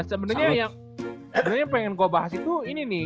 sebenernya yang pengen gua bahas itu ini nih